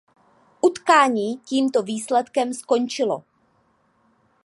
Utkání tímto výsledkem skončilo.